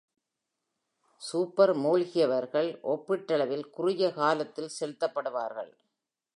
Super மூழ்கியவர்கள் ஒப்பீட்டளவில் குறுகிய காலத்தில் செலுத்தப்படுவார்கள்.